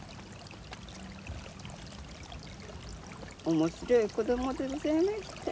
面白い子供でございました。